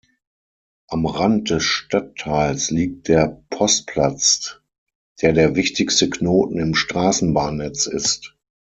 Am Rand des Stadtteils liegt der Postplatz, der der wichtigste Knoten im Straßenbahnnetz ist.